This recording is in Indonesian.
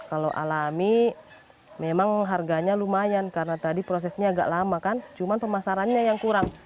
kalau alami memang harganya lumayan karena tadi prosesnya agak lama kan cuma pemasarannya yang kurang